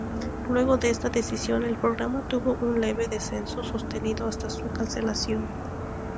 Luego de esa decisión, el programa tuvo un leve descenso sostenido hasta su cancelación.